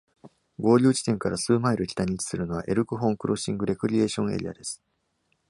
合流地点から数マイル北に位置するのは、Elkhorn Crossing Recreation Area です。